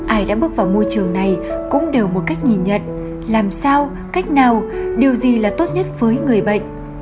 ai đã bước vào môi trường này cũng đều một cách nhìn nhận làm sao cách nào điều gì là tốt nhất với người bệnh